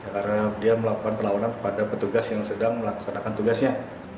karena dia melakukan perlawanan kepada petugas yang sedang melakukan tugasnya